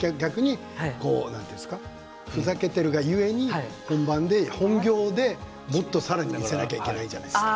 ふざけているが故に本業で、さらに見せなきゃいけないじゃないですか。